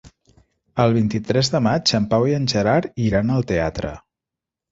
El vint-i-tres de maig en Pau i en Gerard iran al teatre.